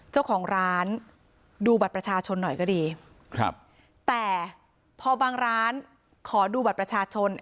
เจ้าของร้านดูบัตรประชาชนหน่อยก็ดีครับแต่พอบางร้านขอดูบัตรประชาชน